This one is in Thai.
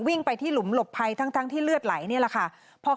วิ่งไปที่หลุมหลบภัยทั้งที่เลือดไหลนี่แหละค่ะ